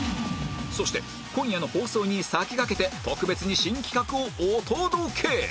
そして今夜の放送に先駆けて特別に新企画をお届け！